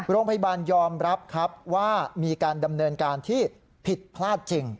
โรงพยาบาลยอมรับครับว่ามีการดำเนินการที่ผิดพลาดจริง